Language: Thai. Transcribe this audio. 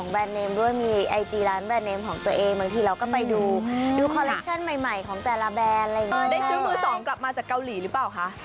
แบบได้ซื้อมือสองกลับมาจากเกาหลีหรือเปล่าคะ